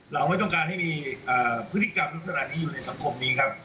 เราไม่ต้องการให้มีพฤติกรรมลักษณะนี้อยู่ในสังคมนี้ครับ